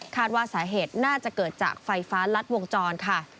ว่าสาเหตุน่าจะเกิดจากไฟฟ้ารัดวงจรค่ะ